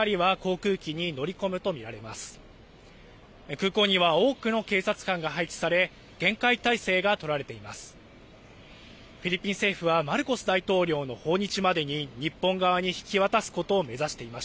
空港には多くの警察官が配置され厳戒態勢が取られています。